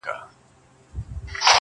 په هر قالب کي څه برابر یې؛